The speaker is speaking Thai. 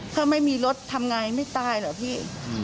ถ้าไม่มีรถทำไงไม่ตายเหรอพี่